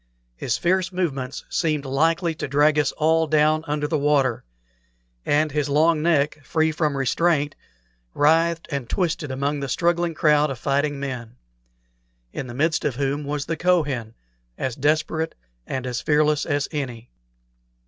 His fierce movements seemed likely to drag us all down under the water; and his long neck, free from restraint, writhed and twisted among the struggling crowd of fighting men, in the midst of whom was the Kohen, as desperate and as fearless as any.